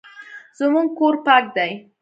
زموږ کور پاک دی